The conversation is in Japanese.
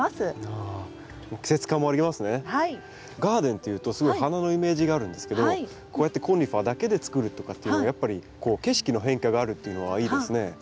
ガーデンっていうとすごい花のイメージがあるんですけどこうやってコニファーだけでつくるとかっていうのもやっぱり景色の変化があるっていうのはいいですね。